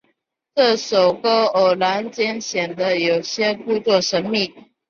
这首歌偶然间显得有些故作神秘。